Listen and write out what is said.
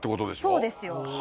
そうですよ。